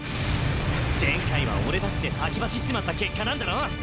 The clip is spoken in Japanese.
前回は俺たちで先走っちまった結果なんだろ？